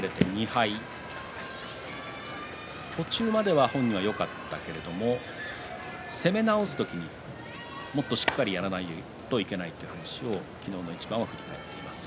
途中までは昨日よかったけれども攻め直す時にもっとしっかりやらないといけないと、昨日の一番を振り返っていました。